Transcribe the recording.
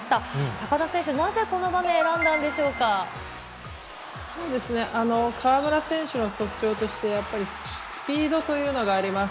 高田選手、なぜこの場面、選んだそうですね、河村選手の特徴として、やっぱりスピードというのがあります。